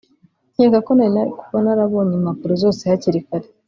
nkeka ko nari kuba narabonye impapuro zose hakiri kare